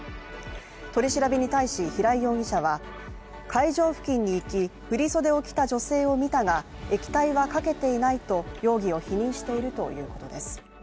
取り調べに対し平井容疑者は、会場付近に行き、振り袖を着た女性を見たが、液体はかけていないと容疑を否認しているということです。